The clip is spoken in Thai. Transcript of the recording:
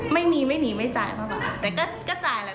ไม่มีไม่หนีไม่จ่ายมากแต่ก็จ่ายแหละ